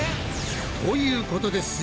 ということです